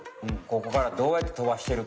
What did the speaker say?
ここからどうやってとばしてるか。